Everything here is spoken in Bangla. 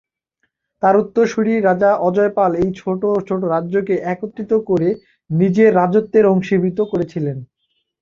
তার উত্তরসূরি রাজা অজয় পাল এই ছোট ছোট রাজ্যকে একত্রিত করে নিজের রাজত্বের অংশীভূত করেছিলেন।